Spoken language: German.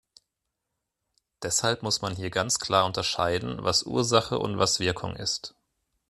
Deshalb muss man hier ganz klar unterscheiden, was Ursache und was Wirkung ist.